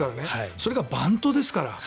それがバントですから。